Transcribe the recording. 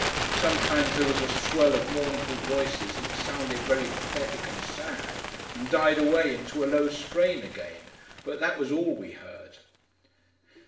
Sometimes, there was a swell of mournful voices that sounded very pathetic and sad, and died away, into a low strain again; but that was all we heard.